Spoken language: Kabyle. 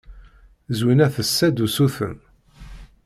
Zwina tessa-d usuten.